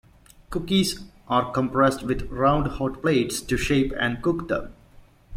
Cookies are compressed with round hot plates to shape and cook them.